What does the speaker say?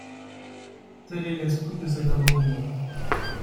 Tel est l’esprit de cet amendement.